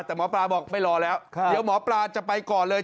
แต่หมอปลาบอกไม่รอแล้วเดี๋ยวหมอปลาจะไปก่อนเลย